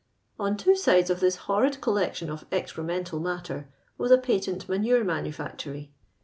*' On two sides of this horrid collection of excremental matter was a patent manure manu factory.